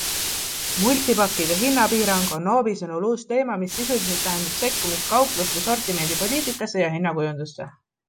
Multipakkide hinnapiirang on Noobi sõnul uus teema, mis sisuliselt tähendab sekkumist kaupluste sortimendi poliitikasse ja hinnakujundusse.